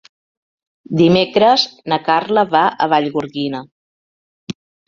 Dimecres na Carla va a Vallgorguina.